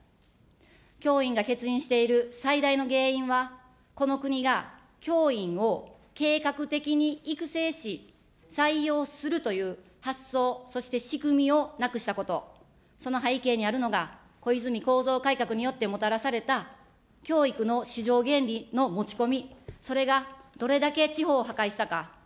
教員が欠員している最大の原因は、この国が教員を計画的に育成し、採用するという発想、そして仕組みをなくしたこと、その背景にあるのが、小泉構造改革によってもたらされた教育の市場原理の持ち込み、それがどれだけ地方を破壊したか。